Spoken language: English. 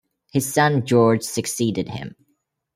His son George succeeded him.